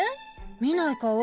見ない顔。